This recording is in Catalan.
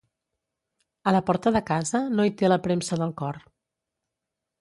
A la porta de casa no hi té la premsa del cor.